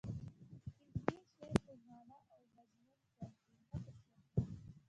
هندي شعر په معنا او مضمون څرخي نه په شکل